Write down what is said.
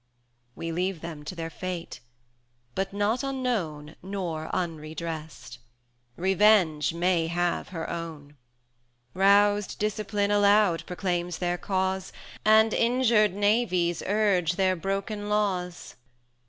200 X. We leave them to their fate, but not unknown Nor unredressed. Revenge may have her own:[fd] Roused Discipline aloud proclaims their cause, And injured Navies urge their broken laws.